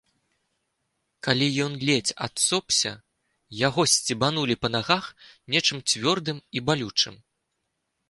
Калі ён ледзь адсопся, яго сцебанулі па нагах нечым цвёрдым і балючым.